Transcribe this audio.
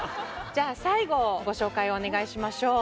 じゃあ最後ご紹介をお願いしましょう。